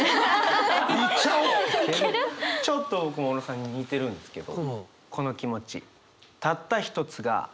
ちょっと僕も小野さんに似てるんですけど。